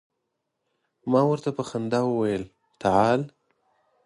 ما ورته په خندا وویل تعال.